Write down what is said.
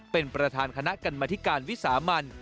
เป็นประธานคณะกรรมธิการวิสามัน